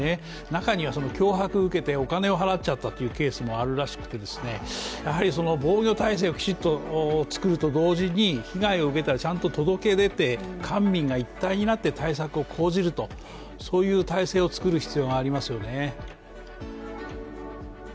中には脅迫を受けてお金を払っちゃったというケースもあるらしくて、やはり防御態勢をしっかり作ると同時に被害を受けたらちゃんと届け出て、官民が一体になって対策を講じるという体制を作る必要がありますよね。